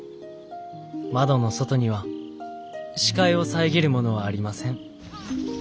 窓の外には視界を遮るものはありません。